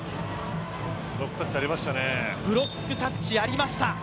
ブロックタッチありましたね。